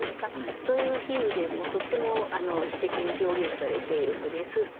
そういう比喩でとっても詩的に表現されている句です。